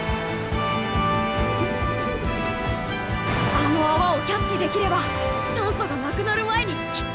あの泡をキャッチできれば酸素がなくなる前にきっと戻れる！